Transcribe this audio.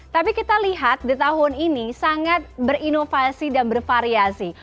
tapi kita lihat di tahun ini sangat berinovasi dan bervariasi